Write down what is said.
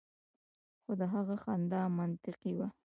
خو د هغه خندا منطقي وه